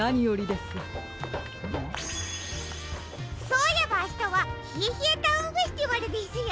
そういえばあしたはひえひえタウンフェスティバルですよ！